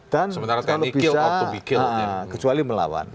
dan kalau bisa kecuali melawan